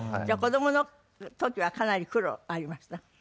じゃあ子供の時はかなり苦労ありました？